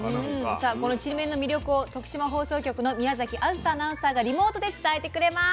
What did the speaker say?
さあこのちりめんの魅力を徳島放送局の宮あずさアナウンサーがリモートで伝えてくれます。